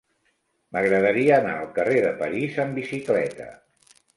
M'agradaria anar al carrer de París amb bicicleta.